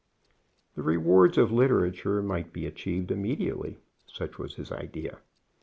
The rewards of literature might be achieved immediately. Such was his idea.